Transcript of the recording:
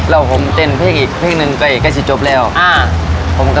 เออวันนี้คิดไม่ดีกับเรานะ